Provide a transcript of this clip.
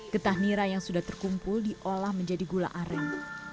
getah nira yang sudah terkumpul diolah menjadi gula aren